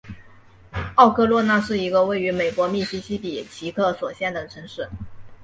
奥科洛纳是一个位于美国密西西比州奇克索县的城市。